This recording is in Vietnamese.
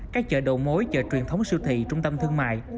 các chợ đầu mối chợ truyền thống siêu thị trung tâm thương mại